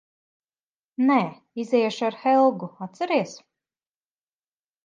Nē. Iziešu ar Helgu, atceries?